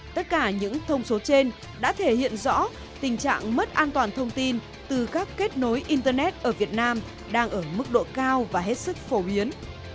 tất cả những thông số trên đã thể hiện rõ tình trạng mất an toàn thông tin từ các kết nối internet ở việt nam đang ở mức độ cao và hết sức phổ biến